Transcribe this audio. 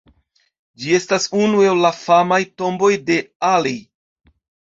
Ĝi estas unu el la famaj tomboj de Ali.